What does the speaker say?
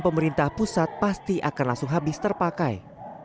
pemerintah pusat pasti akan langsung habis terpakai